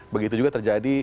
begitu juga terjadi